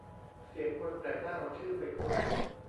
เสี่ยงคนแปลกหน้าเอาชื่อไปค้น